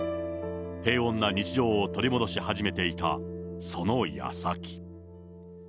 平穏な日常を取り戻し始めていた、そのやさき。